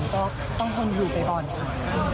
ก็ต้องทนอยู่ไปก่อนค่ะ